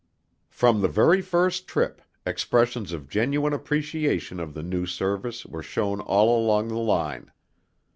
From the very first trip, expressions of genuine appreciation of the new service were shown all along the line.